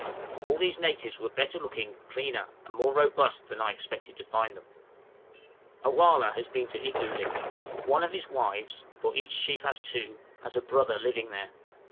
All these natives were better looking, cleaner, and more robust than I expected to find them. A wăh lah has been to Igloolik; one of his wives, for each chief has two, has a brother living there.